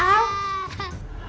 jahatnya sama si al